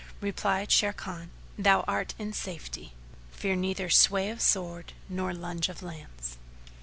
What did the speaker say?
Replied Sharrkan, "Thou art in safety: fear neither sway of sword nor lunge of lance."